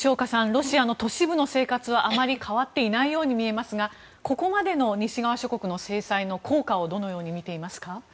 ロシアの都市部の生活はあまり変わっていないように見えますがここまでの西側諸国の制裁の効果をどのように見ていますか。